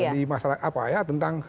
di masalah apa ya tentang